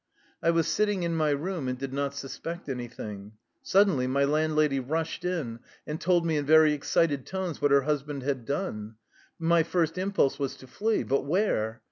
I was sitting in my room and did not sus pect anything. Suddenly my landlady rushed in and told me in very excited tones what her husband had done. My first impulse was to flee. But where?